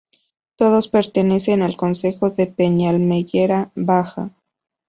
Todos pertenecen al concejo de Peñamellera Baja.